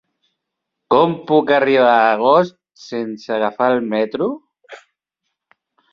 Com puc arribar a Agost sense agafar el metro?